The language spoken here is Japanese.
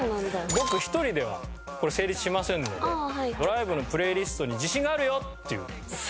僕一人ではこれ成立しませんのでドライブのプレイリストに自信があるよっていう。